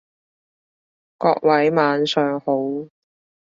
各位晚上好